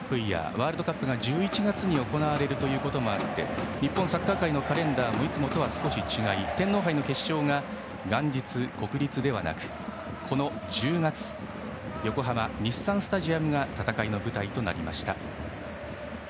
ワールドカップが１１月に行われることもあって日本サッカー界のカレンダーもいつもとは違い天皇杯の決勝が元日の国立ではなくこの１０月横浜・日産スタジアムが戦いの舞台となりました。